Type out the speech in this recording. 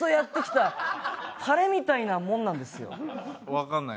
分かんない。